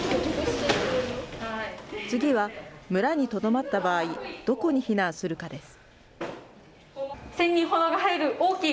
次は、村にとどまった場合、どこに避難するかです。